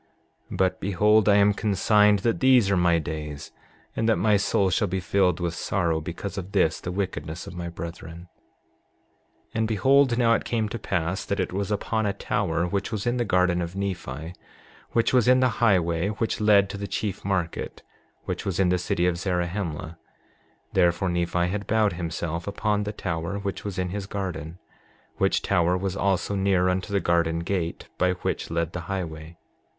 7:9 But behold, I am consigned that these are my days, and that my soul shall be filled with sorrow because of this the wickedness of my brethren. 7:10 And behold, now it came to pass that it was upon a tower, which was in the garden of Nephi, which was by the highway which led to the chief market, which was in the city of Zarahemla; therefore, Nephi had bowed himself upon the tower which was in his garden, which tower was also near unto the garden gate by which led the highway.